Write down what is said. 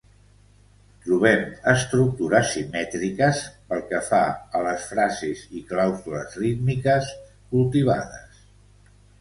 Trobem estructures simètriques pel que fa a les frases i clàusules rítmiques cultivades.